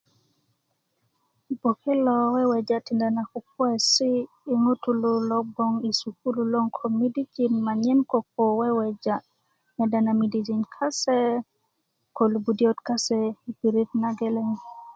pipo kilo weweja tinda na kukuwesi i ŋutulu lo bgoŋ i sukulu loŋ ko midijin manyen koko weweja meda na midijin kase ko lubudiyöt kase i pirit na geleŋ